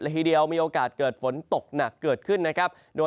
ทีเดียวมีโอกาสเกิดฝนตกหนักเกิดขึ้นนะครับ